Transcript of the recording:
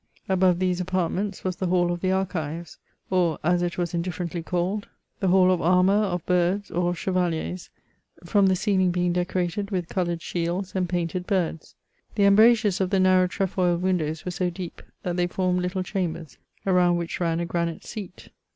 Above these apartments was the Hall of the Archives, or, as it was indiflcrently called, the G 2 84 MEMOIRS OF —■■■■ hall of armour, of birds, or of chevaliers, from the ceiling being decorated with coloured shields and painted birds. The embrasures of the narrow trefoil windows were so deep, that they formed little chambers, around which ran a granite seat.